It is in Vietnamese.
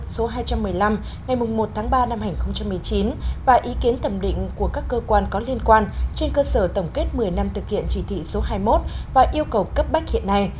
số hai trăm một mươi năm ngày một tháng ba năm hai nghìn một mươi chín và ý kiến thẩm định của các cơ quan có liên quan trên cơ sở tổng kết một mươi năm thực hiện chỉ thị số hai mươi một và yêu cầu cấp bách hiện nay